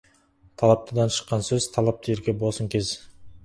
Талаптыдан шыққан сөз талапты ерге болсын кез.